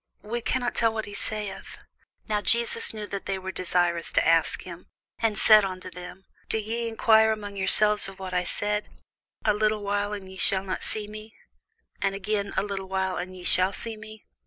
we cannot tell what he saith. Now Jesus knew that they were desirous to ask him, and said unto them, Do ye enquire among yourselves of that I said, A little while, and ye shall not see me: and again, a little while, and ye shall see me?